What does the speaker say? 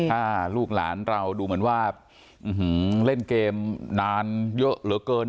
ถ้าลูกหลานเราดูเหมือนว่าเล่นเกมนานเยอะเหลือเกิน